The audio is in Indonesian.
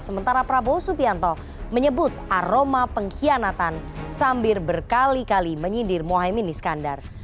sementara prabowo subianto menyebut aroma pengkhianatan sambil berkali kali menyindir mohaimin iskandar